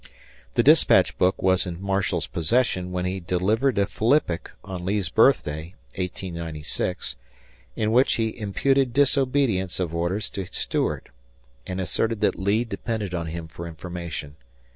The dispatch book was in Marshall's possession when he delivered a philippic on Lee's birthday (1896) in which he imputed disobedience of orders to Stuart and asserted that Lee depended on him for information.